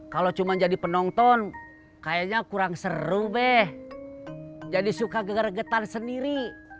kalau cuma jadi penonton kayaknya kurang seru beh jadi suka geger getan sendiri